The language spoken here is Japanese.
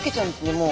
もう。